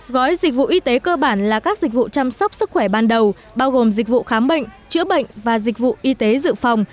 gói dịch vụ y tế cơ bản là các dịch vụ chăm sóc sức khỏe ban đầu bao gồm dịch vụ khám bệnh chữa bệnh và dịch vụ y tế dự phòng